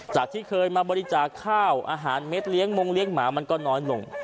ที่เคยมาบริจาคข้าวอาหารเม็ดเลี้ยงมงเลี้ยงหมามันก็น้อยลง